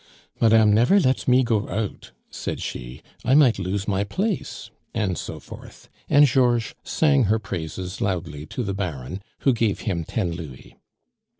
"Madame never lets me go out," said she; "I might lose my place," and so forth; and Georges sang her praises loudly to the Baron, who gave him ten louis.